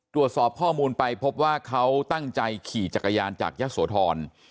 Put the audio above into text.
ตรวจสอบข้อมูลไปพบว่าเขาตั้งใจขี่จักรยานจากยะโสธร